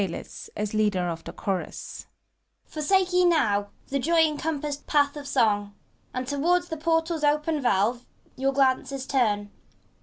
PANTHALIS (as LEADER OP THE ChOBUS). Forsake ye now the joy encompassed path of Song, And toward's the portal's open valves your glances turn!